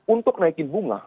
untuk naikin bunga